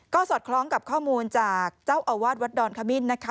ก็สอดคล้องกับข้อมูลจากเจ้าอาวาสวัดดอนขมิ้นนะคะ